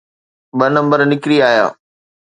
ٻه نمبر نڪري آيا.